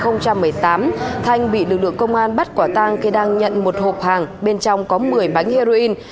năm hai nghìn một mươi tám thanh bị lực lượng công an bắt quả tang khi đang nhận một hộp hàng bên trong có một mươi bánh heroin